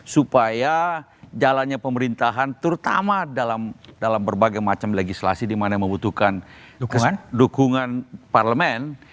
supaya jalannya pemerintahan terutama dalam berbagai macam legislasi di mana membutuhkan dukungan parlemen